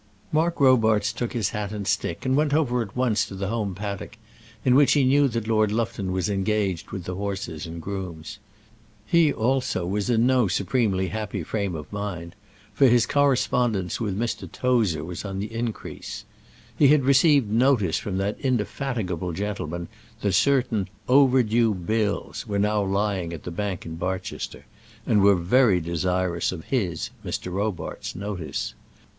Mark Robarts took his hat and stick and went over at once to the home paddock, in which he knew that Lord Lufton was engaged with the horses and grooms. He also was in no supremely happy frame of mind, for his correspondence with Mr. Tozer was on the increase. He had received notice from that indefatigable gentleman that certain "overdue bills" were now lying at the bank in Barchester, and were very desirous of his, Mr. Robarts's, notice.